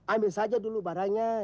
ambil saja dulu barangnya